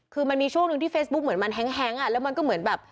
คือมันมีช่วงหนึ่งที่เฟซบุ๊คเหมือนมันแฮ้งอ่ะแล้วมันก็เหมือนแบบ